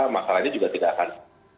masalahnya juga tidak akan